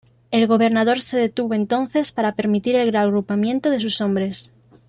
El gobernador se detuvo entonces para permitir el reagrupamiento de sus hombres.